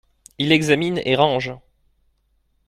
Il examine et range.